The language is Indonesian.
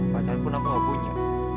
pacar pun aku gak punya